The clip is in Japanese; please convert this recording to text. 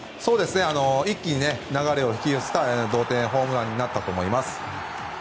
一気に流れを引き寄せた同点ホームランになったと思います。